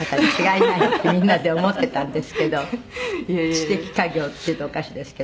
「知的稼業っていうとおかしいですけど」